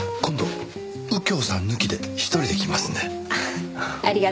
今度右京さん抜きで一人で来ますので。